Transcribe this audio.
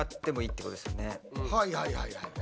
はいはいはいはい。